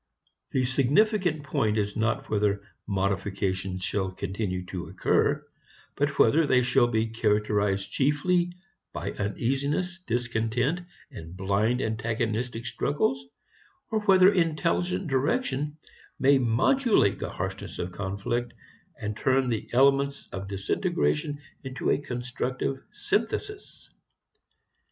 The significant point is not whether modifications shall continue to occur, but whether they shall be characterized chiefly by uneasiness, discontent and blind antagonistic struggles, or whether intelligent direction may modulate the harshness of conflict, and turn the elements of disintegration into a constructive synthesis.